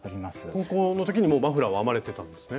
高校の時にもうマフラーは編まれてたんですね。